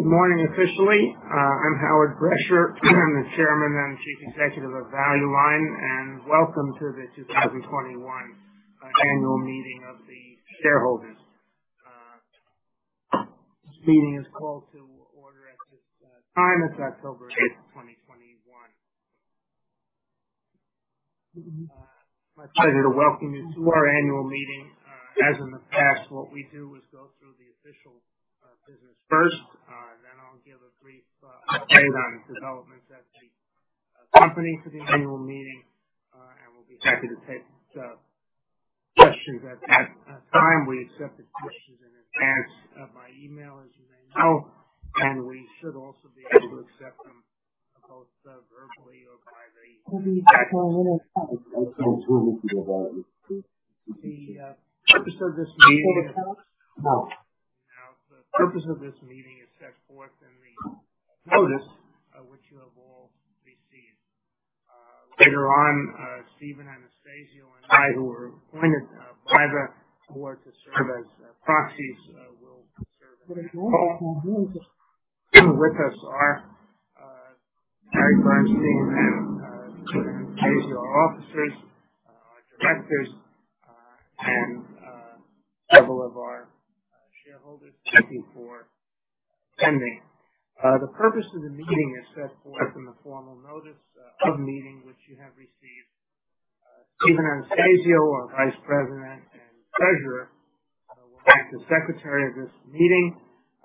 Good morning officially. I'm Howard Brecher. I'm the Chairman and Chief Executive of Value Line, welcome to the 2021 Annual Meeting of the Shareholders. This meeting is called to order at this time. It's October 8th, 2021. My pleasure to welcome you to our annual meeting. As in the past, what we do is go through the official business first, then I'll give a brief update on developments at the company for the annual meeting, and we'll be happy to take the questions at that time. We accepted questions in advance by email, as you may know, and we should also be able to accept them both verbally or by the chat. The purpose of this meeting is set forth in the notice, which you have all received. Later on, Stephen Anastasio and I, who were appointed by the board to serve as proxies, will serve. With us are Mary Bernstein and Stephen Anastasio, our officers, directors, and several of our shareholders. Thank you for attending. The purpose of the meeting is set forth in the formal notice of meeting, which you have received. Stephen Anastasio, our Vice President and Treasurer, will act as secretary of this meeting.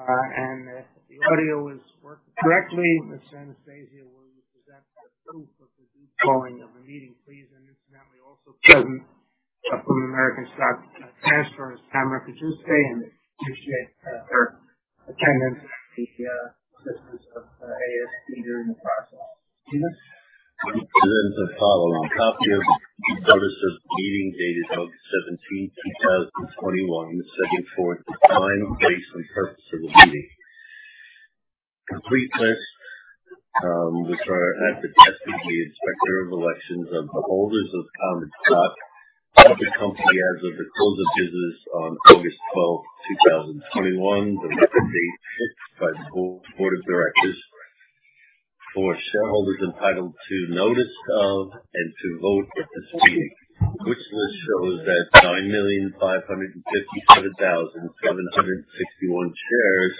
If the audio is working correctly, Mr. Anastasio will present the proof of the due calling of the meeting, please, and incidentally also present from American Stock Transfer is Tamara Cajuste and appreciate her attendance and assistance of AST during the process. Stephen? I present the following copy of the notice of meeting dated August 17th, 2021, setting forth the time, place, and purpose of the meeting. Complete lists, which are at the desk of the inspector of elections of holders of common stock of the company as of the close of business on August 12th, 2021, the record date set by the board of directors for shareholders entitled to notice of and to vote at this meeting, which list shows that 9,557,761 shares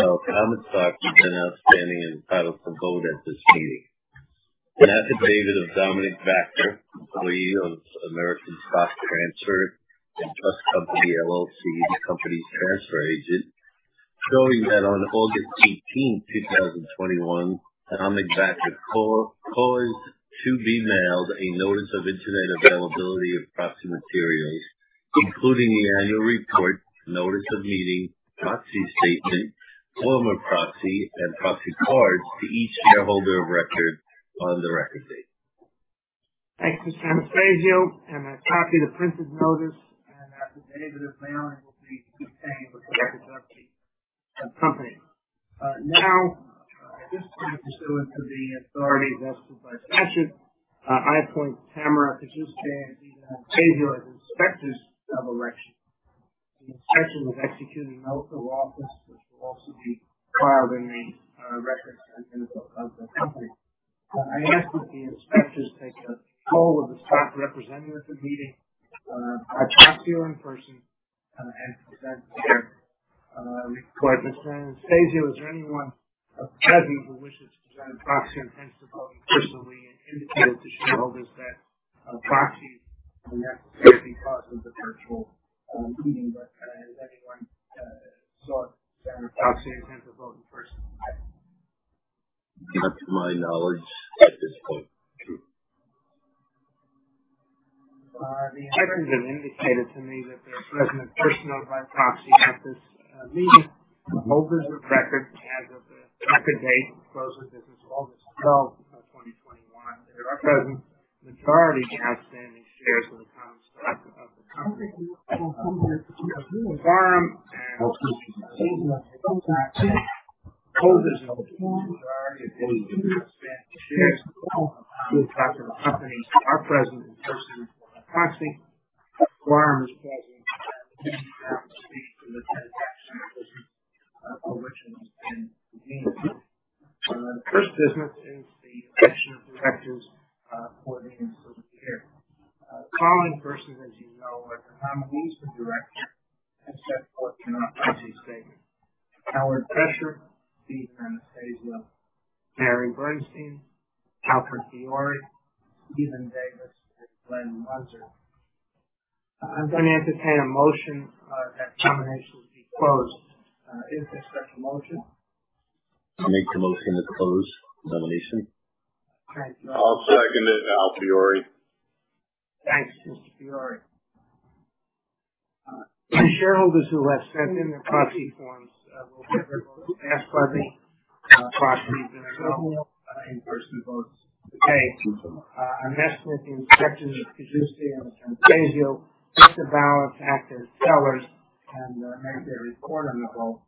of common stock have been outstanding and entitled to vote at this meeting. An affidavit of Dominic Vactor, employee of American Stock Transfer & Trust Company, LLC, the company's transfer agent, showing that on August 18th, 2021, Dominic Vactor caused to be mailed a notice of internet availability of proxy materials, including the annual report, notice of meeting, proxy statement, form of proxy, and proxy cards to each shareholder of record on the record date. Thank you, Mr. Anastasio. A copy of the printed notice and affidavit of mailing will be retained with the records of the company. At this time, pursuant to the authority vested by statute, I appoint Tamara Cajuste and Stephen Anastasio as inspectors of election. The inspectors have executed an oath of office, which will also be filed in the records of the company. I ask that the inspectors take a call of the stock represented at the meeting, by proxy or in person, and present their report. Mr. Anastasio, is there anyone present who wishes to present a proxy or intends to vote personally and indicate to shareholders that proxies are not necessary because of the virtual meeting, but has anyone sought their proxy intends to vote in person? Not to my knowledge at this point. The items have indicated to me that they're present personally by proxy at this meeting. The holders of record as of the record date, close of business August 12th, 2021, that are present, majority of outstanding shares of the common stock of the company. Quorum and holders are present. Holders of the common stock. If any of the outstanding shares of common stock of the company are present in person or by proxy. Quorum is present and has the right to speak to the transactions business for which it has been convened. The first business is the election of directors for the ensuing year. All seven, as you know, was renominated as a director as set forth in our proxy statement. Howard Brecher, Stephen Anastasio, Mary Bernstein, Alfred Fiore, Stephen Davis, and Glenn Muenzer. I'm going to entertain a motion that nominations be closed. Is there such a motion? I make the motion to close nomination. Thank you. I'll second it. Al Fiore. Thanks, Mr. Fiore. The shareholders who have sent in their proxy forms will have their votes cast by the proxies in their behalf. In-person votes today. I'm asking the inspectors, Cajuste and Anastasio, to count the ballots act as tellers, and make their report on the vote.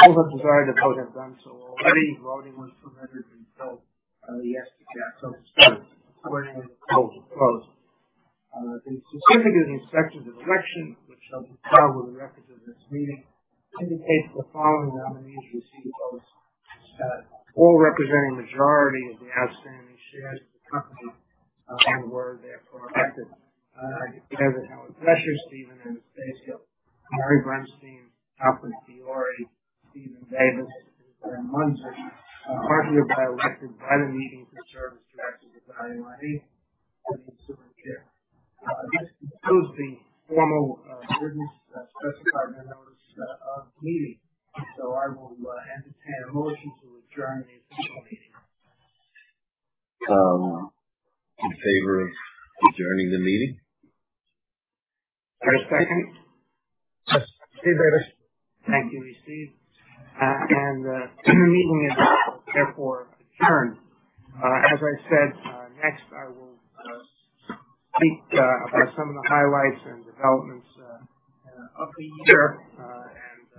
Holders who desire to vote have done so already. Voting was concluded yesterday. Starting according to the vote closed. The certificate of inspection of election, which shall be filed with the records of this meeting, indicates the following nominees received votes all representing the majority of the outstanding shares of the company and were therefore elected. David Henle, Howard Brecher, Stephen Anastasio, Mary Bernstein, Alfred Fiore, Stephen Davis, and Glenn Muenzer are hereby elected by the meeting to serve as directors of Value Line including chairman. This concludes the formal business specified in the notice of the meeting. I will entertain a motion to adjourn the meeting. In favor of adjourning the meeting. Is there a second? Yes. Steve Davis. Thank you, Steve. The meeting is therefore adjourned. As I said, next I will speak about some of the highlights and developments of the year,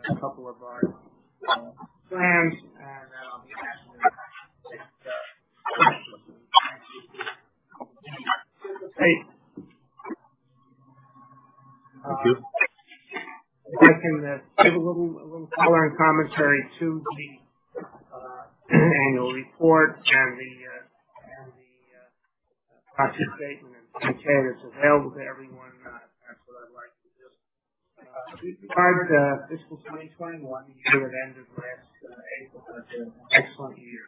and a couple of our plans, and then I'll be happy to entertain questions. Thank you. If I can give a little color and commentary to the annual report and the prospect statement and 10 that's available to everyone, that's what I'd like to do. Regarding the fiscal 2021 year that ended last April, it was an excellent year.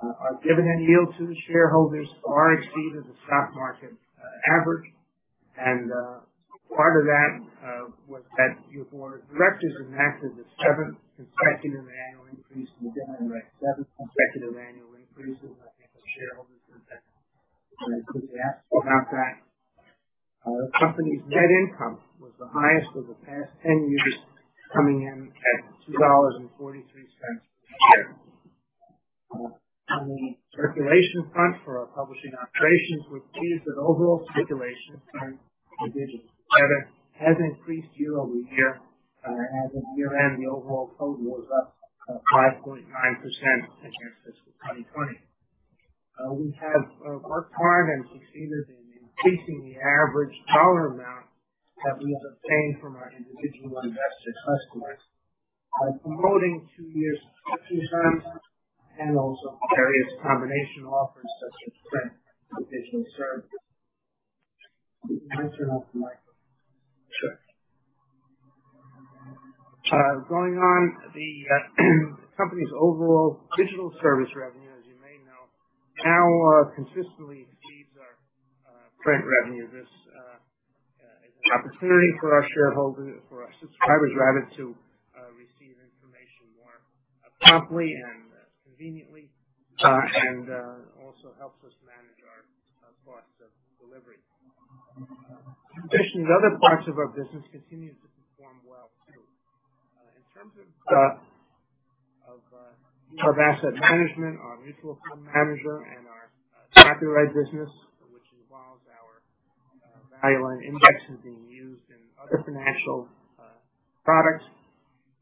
Our dividend yield to the shareholders far exceeded the stock market average. Part of that was that your board of directors enacted the seventh consecutive annual increase in the dividend rate. Seventh consecutive annual increase is, I think, the shareholders couldn't ask about that. The company's net income was the highest for the past 10 years, coming in at $2.43 per share. On the circulation front for our publishing operations, we're pleased that overall circulation, current and digital, has increased year-over-year. As of year-end, the overall total was up 5.9% against fiscal 2020. We have worked hard and succeeded in increasing the average dollar amount that we have obtained from our individual investor customers by promoting two years of subscription plans and also various combination offers such as print and digital services. Could you turn off the microphone? Sure. Going on, the company's overall digital service revenue, as you may know, now consistently exceeds our print revenue. This is an opportunity for our shareholders, for our subscribers rather, to receive information more promptly and conveniently, and also helps us manage our costs of delivery. In addition, other parts of our business continued to perform well, too. In terms of asset management, our mutual fund manager and our copyright business, which involves our Value Line indexes being used in other financial products.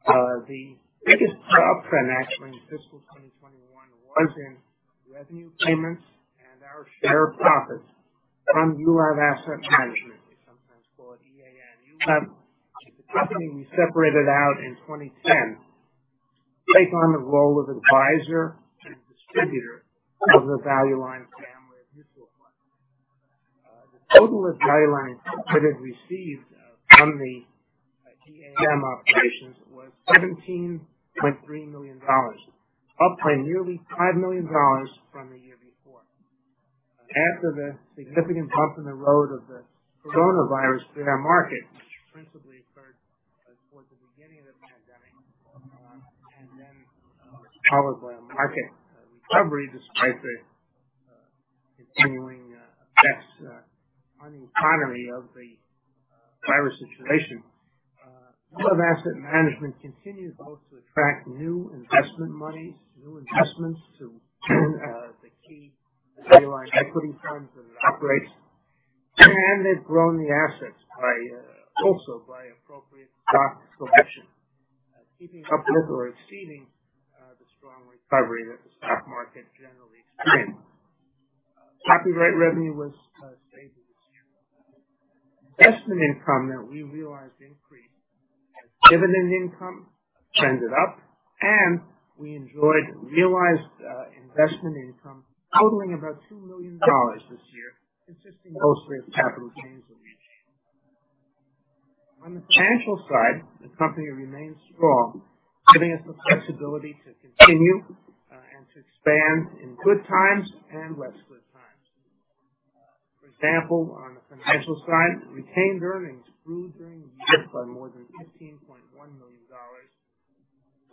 The biggest uptrend actually in fiscal 2021 was in revenue payments and our share of profits from EULAV Asset Management. We sometimes call it EAM. It's a company we separated out in 2010 to take on the role of advisor and distributor of the Value Line family of mutual funds. The total that Value Line, Inc. had received from the EAM operations was $17.3 million, up by nearly $5 million from the year before. After the significant bump in the road of the coronavirus in our market, which principally occurred towards the beginning of the pandemic and then was followed by a market recovery, despite the continuing effects on the economy of the virus situation. EULAV Asset Management continued both to attract new investment monies, new investments to the key Value Line equity funds that it operates, and had grown the assets also by appropriate stock selection, keeping up with or exceeding the strong recovery that the stock market generally experienced. Copyright revenue was stable this year. Investment income that we realized increased as dividend income trended up, and we enjoyed realized investment income totaling about $2 million this year, consisting mostly of capital gains. On the financial side, the company remains strong, giving us the flexibility to continue and to expand in good times and less good times. For example, on the financial side, retained earnings grew during the year by more than $15.1 million.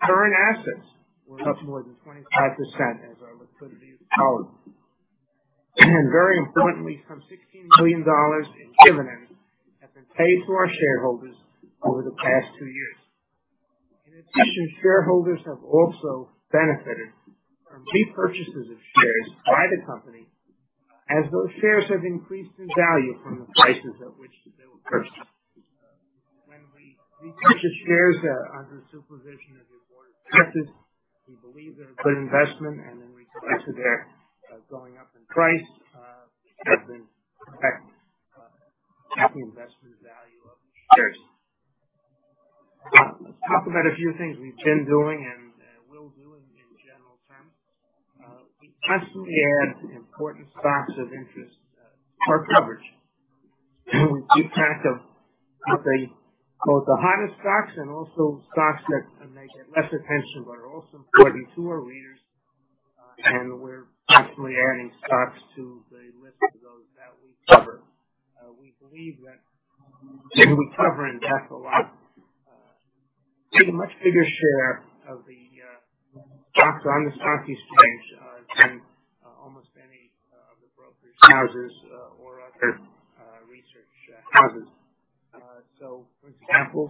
Current assets were up more than 25% as our liquidity is solid. Very importantly, some $16 million in dividends have been paid to our shareholders over the past two years. In addition, shareholders have also benefited from repurchases of shares by the company as those shares have increased in value from the prices at which they were purchased. We purchase shares under the supervision of your board of directors. We believe they're a good investment, and then we expect their going up in price has been protecting the investment value of your shares. Let's talk about a few things we've been doing and will do in general terms. We constantly add important stocks of interest for coverage. We keep track of both the hottest stocks and also stocks that may get less attention but are also important to our readers. We're constantly adding stocks to the list of those that we cover. We believe that we cover in depth a much bigger share of the stocks on the stock exchange than almost any of the brokerage houses or other research houses. For examples,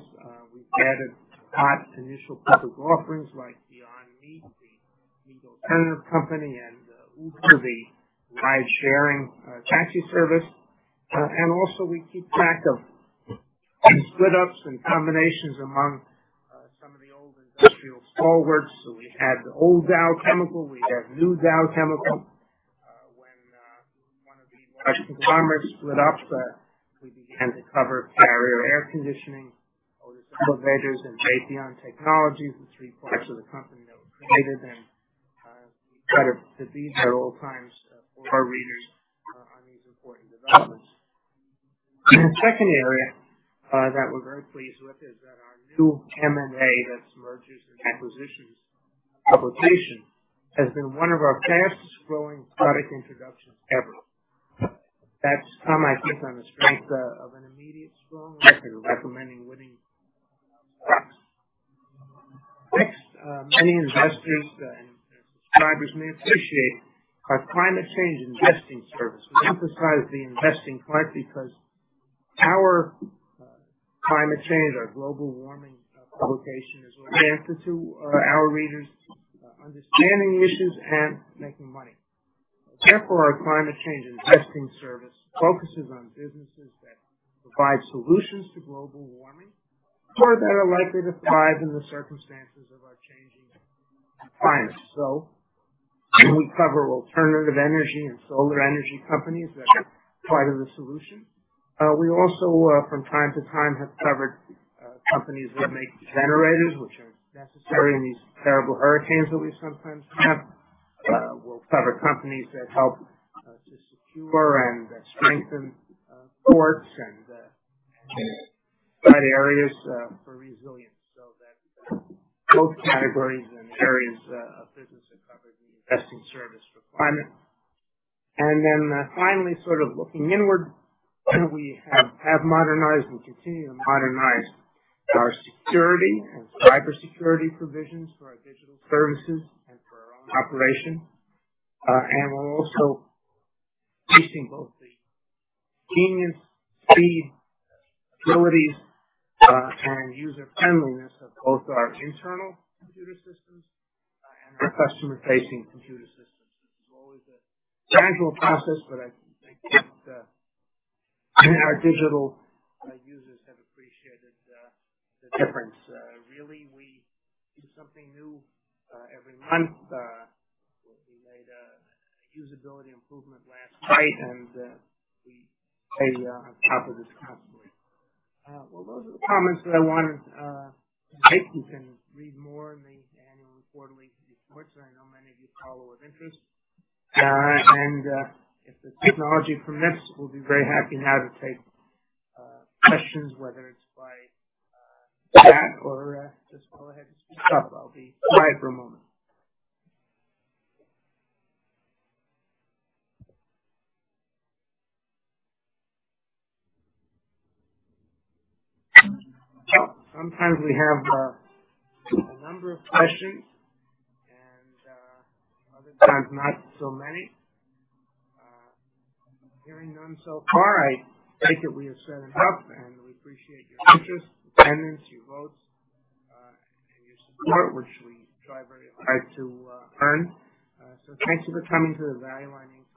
we've added hot initial public offerings like Beyond Meat, the meat alternative company, and Uber, the ride-sharing taxi service. Also, we keep track of split-ups and combinations among some of the old industrial stalwarts. We had the old Dow Chemical, we had new Dow Chemical. When one of the large conglomerates split up, we began to cover Carrier Global Corporation, Otis Worldwide Corporation, and Raytheon Technologies, the three parts of the company that were created. We try to be there at all times for our readers on these important developments. The second area that we're very pleased with is that our new M&A, that's Mergers and Acquisitions publication, has been one of our fastest-growing product introductions ever. That's some, I think, on the strength of an immediate, strong record of recommending winning stocks. Next, many investors and subscribers may appreciate our climate change investing service. We emphasize the investing part because our climate change, our global warming publication is oriented to our readers understanding the issues and making money. Our Climate Change Investing Service focuses on businesses that provide solutions to global warming or that are likely to thrive in the circumstances of our changing climate. We cover alternative energy and solar energy companies that are part of the solution. We also, from time to time, have covered companies that make generators, which are necessary in these terrible hurricanes that we sometimes have. We'll cover companies that help to secure and strengthen ports and provide areas for resilience so that both categories and areas of business that cover the investing service requirements. Finally, looking inward, we have modernized and continue to modernize our security and cybersecurity provisions for our digital services and for our own operation. We're also chasing both the genius speed abilities and user-friendliness of both our internal computer systems and our customer-facing computer systems. This is always a gradual process, but I think our digital users have appreciated the difference. Really, we do something new every month. We made a usability improvement last night, and we stay on top of this constantly. Those are the comments that I wanted to make. You can read more in the annual report linked in the reports, and I know many of you follow with interest. If the technology permits, we'll be very happy now to take questions, whether it's by chat or just go ahead and speak up. I'll be quiet for one moment. Sometimes we have a number of questions, and other times not so many. Hearing none so far, I take it we have set it up, and we appreciate your interest, attendance, your votes, and your support, which we strive very hard to earn. Thanks for coming to the Value Line, Inc.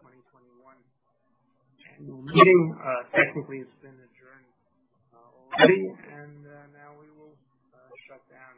2021 meeting. Technically, it's been adjourned already, and now we will shut down.